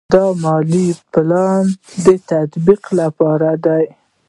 دا د مالي پلان د تطبیق لپاره دی.